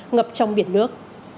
ngập trong biển nước